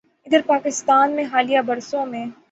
ادھر پاکستان میں حالیہ برسوں میں